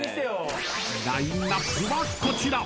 ［ラインアップはこちら］